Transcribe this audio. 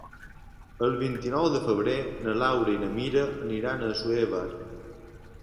El vint-i-nou de febrer na Laura i na Mira aniran a Assuévar.